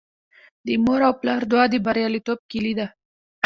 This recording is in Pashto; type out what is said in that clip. د مور او پلار دعا د بریالیتوب کیلي ده.